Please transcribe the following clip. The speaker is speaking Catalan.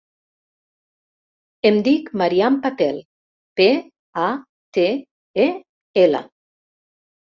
Em dic Maryam Patel: pe, a, te, e, ela.